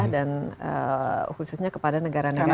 dan khususnya kepada negara negara di asean